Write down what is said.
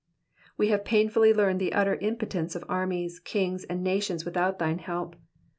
'*^ We have painfully learned the utter impotence of armies, kings, and nations without thine help.